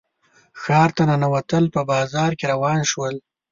ښار ته ننوتل په بازار کې روان شول.